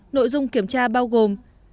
nội dung kiểm tra bao gồm